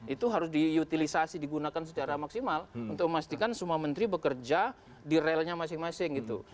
itu harus diutilisasi digunakan secara maksimal untuk memastikan semua menteri bekerja di relnya masing masing gitu